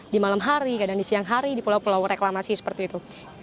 di malam hari kadang di siang hari di pulau pulau reklamasi seperti itu